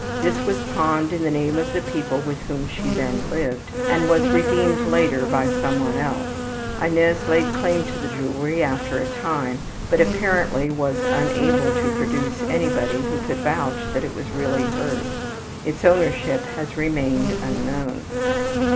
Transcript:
This was pawned in the name of the people with whom she then lived and was redeemed later by some one else. Inez laid claim to the jewelry after a time, but apparently was unable to produce anybody who could vouch that it was really hers. Its ownership has remained unknown.